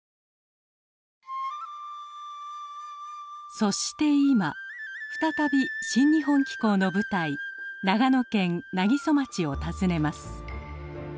そして今再び「新日本紀行」の舞台長野県南木曽町を訪ねます。